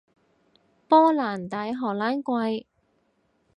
波蘭低，荷蘭貴